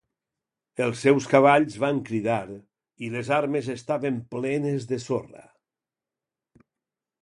Els seus cavalls van cridar, i les armes estaven plenes de sorra.